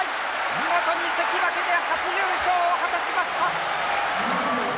見事に関脇で初優勝を果たしました。